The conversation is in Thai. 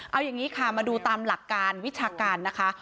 เอาอย่างนี้ค่ะมาดูตามหลักการวิชาการนะคะ